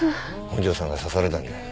本庄さんが刺されたんだ。